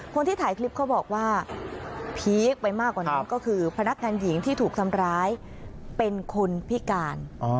คนที่ถ่ายคลิปเขาบอกว่าพีคไปมากกว่านั้นก็คือพนักงานหญิงที่ถูกทำร้ายเป็นคนพิการ